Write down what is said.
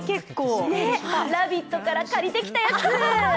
「ラヴィット！」から借りてきたやつ。